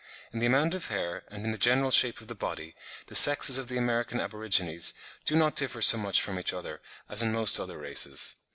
In the amount of hair, and in the general shape of the body, the sexes of the American aborigines do not differ so much from each other, as in most other races.